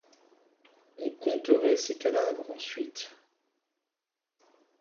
On compterait ses cadavres, ensuite.